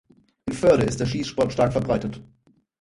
In Voerde ist der Schießsport stark verbreitet.